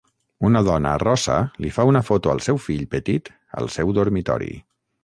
Una dona rossa li fa una foto al seu fill petit al seu dormitori.